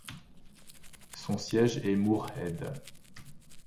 Son siège est Moorhead.